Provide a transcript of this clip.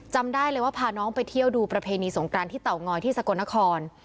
จำได้เลยว่าพาน้องไปเที่ยวดูประเพณีสงกรานที่เตางอยที่สกลนคร